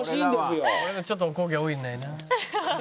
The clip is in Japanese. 「俺のちょっとお焦げ多いんだよなあ」